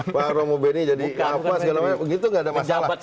pak romo beni jadi apa segala macam begitu gak ada masalah